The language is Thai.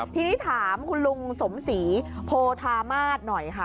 ทีนี้ถามคุณลุงสมศรีโพธามาศหน่อยค่ะ